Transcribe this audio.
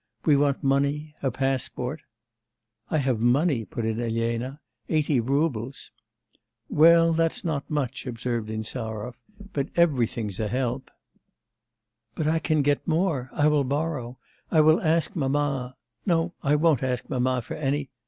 We want money, a passport ' 'I have money,' put in Elena. 'Eighty roubles.' 'Well, that's not much,' observed Insarov; 'but everything's a help.' 'But I can get more. I will borrow. I will ask mamma.... No, I won't ask mamma for any....